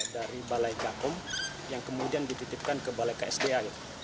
dari balai gakum yang kemudian dititipkan ke balai ksda